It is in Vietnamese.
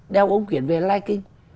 đeo ống quyển về lai kinh